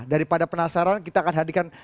daripada penasaran kita akan hadirkan